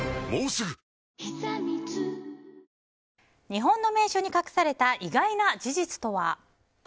日本の名所に隠された意外な事実とは？